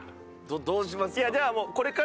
どうしますか？